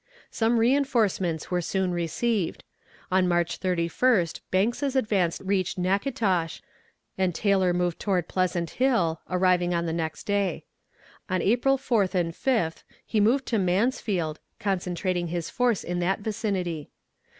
Some reënforcements were soon received. On March 31st Banks's advance reached Natchitoches, and Taylor moved toward Pleasant Hill, arriving on the next day. On April 4th and 5th. He moved to Mansfield, concentrating his force in that vicinity.